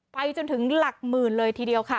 ไปจนถึงหลักหมื่นเลยทีเดียวค่ะ